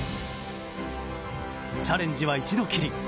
チャレンジは一度きり。